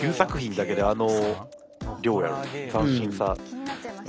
気になっちゃいました。